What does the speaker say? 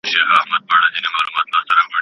تحقیقي ادب د واقعیتونو یو علمي بیان دئ.